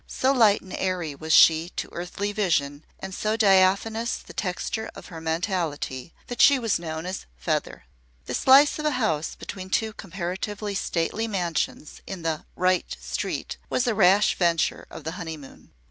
So light and airy was she to earthly vision and so diaphanous the texture of her mentality that she was known as "Feather." The slice of a house between two comparatively stately mansions in the "right street" was a rash venture of the honeymoon.